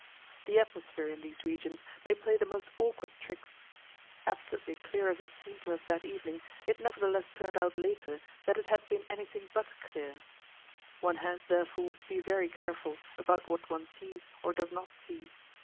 The atmosphere in these regions may play the most awkward tricks. Absolutely clear as it seemed to us that evening, it nevertheless turned out later that it had been anything but clear. One has, therefore, to be very careful about what one sees or does not see.